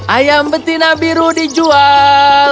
ayam betina biru dijual